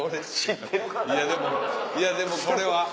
いやでもいやでもこれは。